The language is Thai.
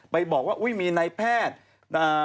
ไปบอกว่าอุ้ยมีนายแพทย์